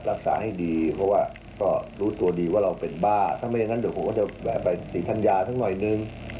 รักษาให้ดีเพราะว่าก็รู้ตัวดีว่าเราเป็นบ้าถ้าไม่อย่างนั้นเดี๋ยวผมก็จะแวะไปศรีธัญญาสักหน่อยนึง